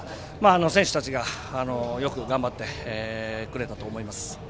選手たちがよく頑張ってくれたと思います。